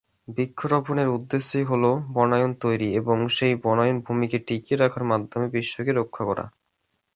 বৃক্ষরোপনের উদ্দেশ্যই হলো বনায়ন তৈরি এবং সেই বনভূমিকে টিকিয়ে রাখার মাধ্যমে বিশ্বকে রক্ষা করা।